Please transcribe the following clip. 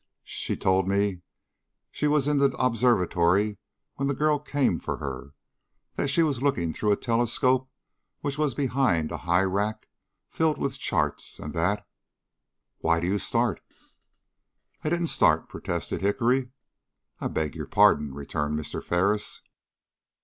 She then told me she was in the observatory when the girl came for her; that she was looking through a telescope which was behind a high rack filled with charts; and that Why do you start?" "I didn't start," protested Hickory. "I beg your pardon," returned Mr. Ferris.